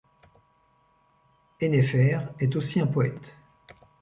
Ennaifer est aussi un poète.